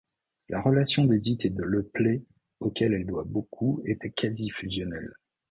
La relation d’Edith et de Leplée, auquel elle doit beaucoup, était quasi fusionnelle.